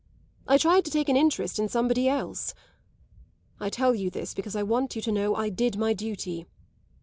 I tried to take an interest in somebody else. I tell you this because I want you to know I did my duty.